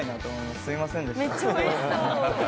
すみませんでした。